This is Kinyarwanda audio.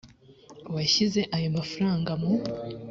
uwashyize ayo mafaranga mu